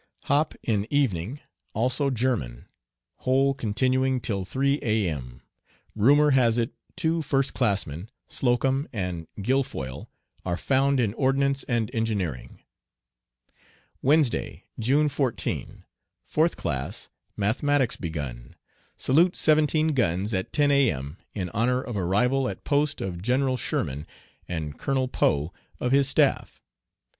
Hop in evening; also German; whole continuing till 3 A.M. Rumor has it two first classmen, Slocum and Guilfoyle, are "found" in ordnance and engineering. Wednesday, June 14. Fourth class, mathematics begun. Salute seventeen guns at 10 A.M. in honor of arrival at post of General Sherman and Colonel Poe of his staff.